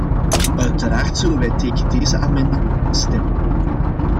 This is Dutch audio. Uiteraard zullen wij tegen deze amendementen stemmen.